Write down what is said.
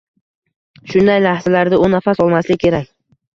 Shunday lahzalarda u nafas olmaslik kerak.